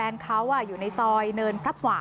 น้ำถือน่ะ